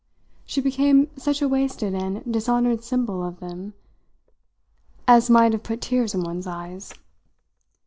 She became such a wasted and dishonoured symbol of them as might have put tears in one's eyes.